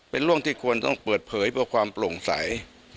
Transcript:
เป็นเรื่องที่ควรต้องเปิดเผยเพื่อความโปร่งใส